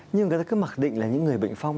nhưng người ta cứ mặc định là những người bệnh phong